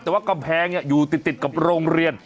แต่ว่ากำแพงอยู่ติดกับโรงเรียน